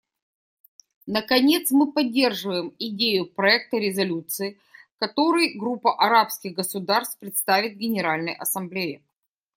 Наконец, мы поддерживаем идею проекта резолюции, который Группа арабских государств представит Генеральной Ассамблее.